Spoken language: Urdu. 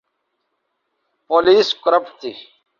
پولیس کرپٹ تھی۔